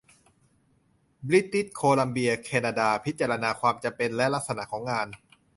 บริติชโคลัมเบีย แคนาดา พิจารณาความจำเป็นและลักษณะของงาน